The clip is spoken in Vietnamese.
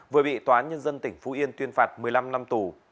vừa bị tòa nhân dân tỉnh phú yên tuyên phạt một mươi năm năm tù